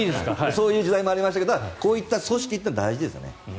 そういう時代もありましたがこういう組織は大事ですよね。